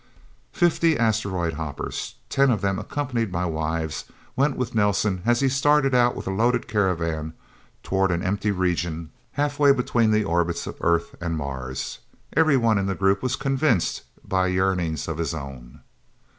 Fifty asteroid hoppers, ten of them accompanied by wives, went with Nelsen as he started out with a loaded caravan toward an empty region halfway between the orbits of Earth and Mars. Everyone in the group was convinced by yearnings of his own.